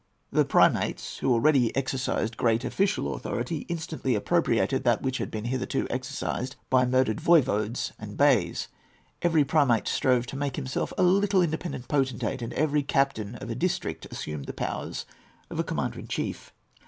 The primates, who already exercised great official authority, instantly appropriated that which had been hitherto exercised by murdered voivodes and beys. Every primate strove to make himself a little independent potentate, and every captain of a district assumed the powers of a commander in chief.